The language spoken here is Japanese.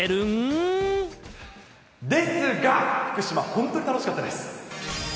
福島、本当に楽しかったです。